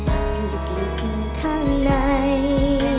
ด้วยกลิ่นข้างใน